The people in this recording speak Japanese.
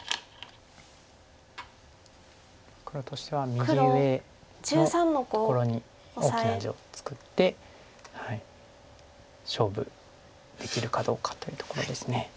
黒としては右上のところに大きな地を作って勝負できるかどうかというところです。